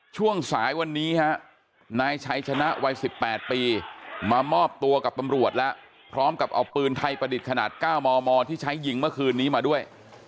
ช่วงสายวันนี้ฮะนายชัยชนะวัย๑๘ปีมามอบตัวกับตำรวจแล้วพร้อมกับเอาปืนไทยประดิษฐ์ขนาด๙มมที่ใช้ยิงเมื่อคืนนี้มาด้วย